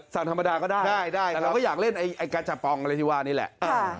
ธรรมดาก็ได้แต่เราก็อยากเล่นไอ้การจับปองอะไรที่ว่านี่แหละ